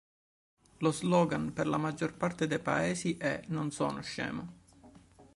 Lo slogan per la maggior parte dei paesi è "Non sono scemo!